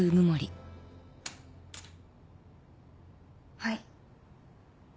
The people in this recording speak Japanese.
はい。